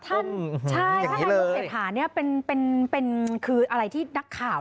ท่านใช่ถ้าท่านยกเศรษฐานี่เป็นคืออะไรที่นักข่าว